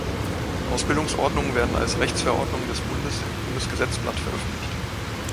Ausbildungsordnungen werden als Rechtsverordnungen des Bundes im Bundesgesetzblatt veröffentlicht.